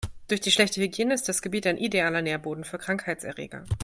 Durch die schlechte Hygiene ist das Gebiet ein idealer Nährboden für Krankheitserreger.